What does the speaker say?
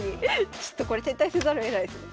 ちょっとこれ撤退せざるをえないですね。